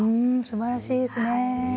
すばらしいですね。